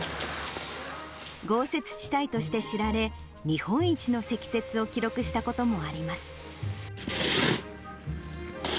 豪雪地帯として知られ、日本一の積雪を記録したこともあります。